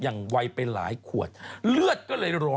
จากกระแสของละครกรุเปสันนิวาสนะฮะ